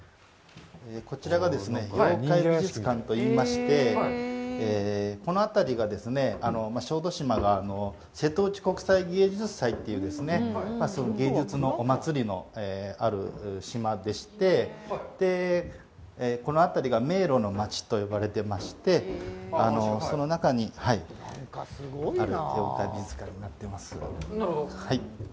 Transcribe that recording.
こちらが妖怪美術館といいまして、この辺りは、小豆島が瀬戸内国際芸術祭という、芸術のお祭りのある島でして、このあたりが迷路のまちと呼ばれてまして、その中にある、妖怪美術館になってます。